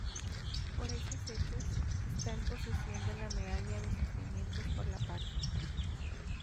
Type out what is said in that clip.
Por esos hechos, está en posesión de la Medalla de Sufrimientos por la Patria.